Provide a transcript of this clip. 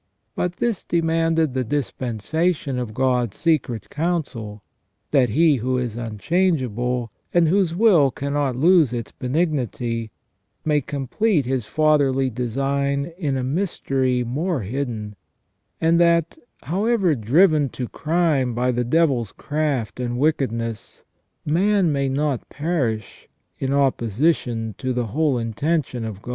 But this demanded the dispensation of God's secret counsel, that He who is unchangeable, and whose will cannot lose its benignity, may complete His fatherly design in a mystery more hidden ; and that, however driven to crime by the devil's craft and wickedness, man may not perish^ in opposition to the whole intention of God."